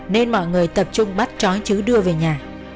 nên mọi người tập trung bắt chói chứ đưa về nhà